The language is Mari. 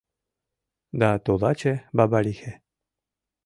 Да тулаче Бабарихе